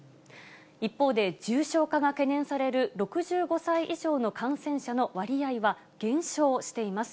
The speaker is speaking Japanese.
一方で、重症化が懸念される６５歳以上の感染者の割合は減少しています。